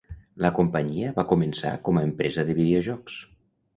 La companyia va començar com a empresa de videojocs.